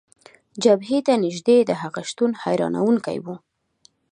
جبهې ته نژدې د هغه شتون، حیرانونکی و.